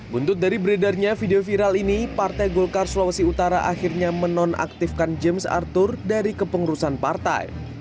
buntut dari beredarnya video viral ini partai golkar sulawesi utara akhirnya menonaktifkan james arthur dari kepengurusan partai